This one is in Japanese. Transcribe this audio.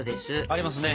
ありますね。